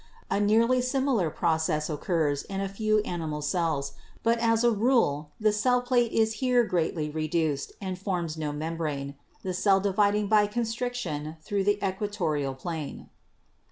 A nearly similar process occurs in a few animal cells, but as a rule the cell plate is here greatly reduced and forms no membrane, the cell dividing by constriction through the equatorial plane."